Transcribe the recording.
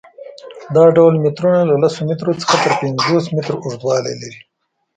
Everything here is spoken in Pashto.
دا ډول مترونه له لس مترو څخه تر پنځوس متره اوږدوالی لري.